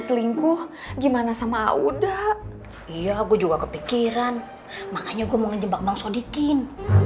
selingkuh gimana sama udah iya gue juga kepikiran makanya gue mau ngejebak bang sodikin